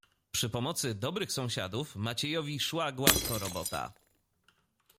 "Przy pomocy dobrych sąsiadów Maciejowi szła gładko robota."